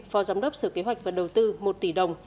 phó giám đốc sở kế hoạch và đầu tư một tỷ đồng